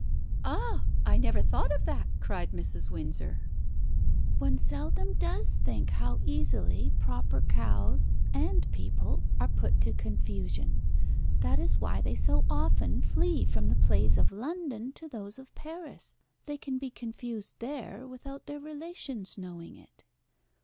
"Ah! I never thought of that!" cried Mrs. Windsor. "One seldom does think how easily proper cows and people are put to confusion. That is why they so often flee from the plays of London to those of Paris. They can be confused there without their relations knowing it."